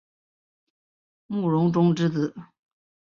慕容忠之子。